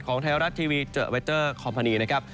ของไทยรัฐทีวีเจอร์ไวเจอร์คอมพาเนี่ยนะครับ